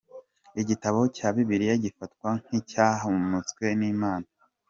Igitabo cya Bibiliya gifatwa nkicyahumetswe n’Imana.